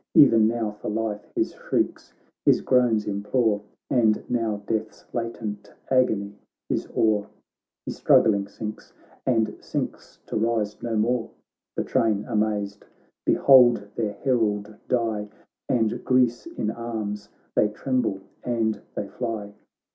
E'en now for life his shrieks, his groans implore, And now death's latent agony is o'er, He struggling sinks, and sinks to rise no more. The train, amazed, behold their herald die. And Greece in arms — they tremble and they fly.